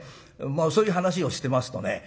そういう話をしてますとね相手がね